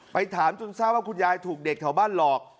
ไปถามจนทราบว่าคุณยายถูกเด็กแถวบ้านหลอก